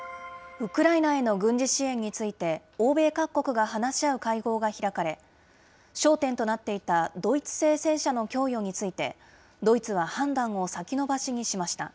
ウクライナへの軍事支援について、欧米各国が話し合う会合が開かれ、焦点となっていたドイツ製戦車の供与について、ドイツは判断を先延ばしにしました。